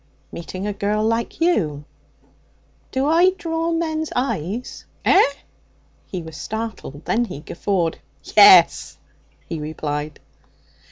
'Meeting a girl like you.' 'Do I draw men's eyes?' 'Eh?' He was startled. Then he guffawed. 'Yes,' he replied.